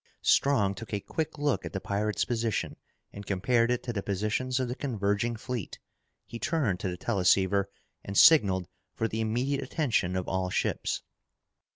Strong took a quick look at the pirate's position and compared it to the positions of the converging fleet. He turned to the teleceiver and signaled for the immediate attention of all ships.